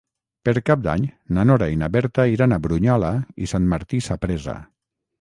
Per Cap d'Any na Nora i na Berta iran a Brunyola i Sant Martí Sapresa.